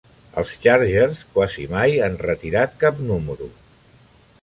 Els Chargers quasi mai han retirat cap número.